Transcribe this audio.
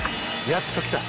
やっと来た。